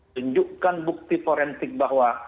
tunjukkan bukti forensik bahwa